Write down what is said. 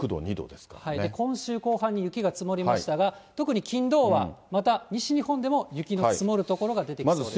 今週後半に雪が積もりましたが、特に金、土はまた西日本でも雪の積もる所が出てきそうです。